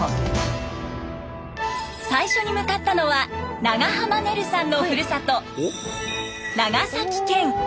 最初に向かったのは長濱ねるさんのふるさと長崎県。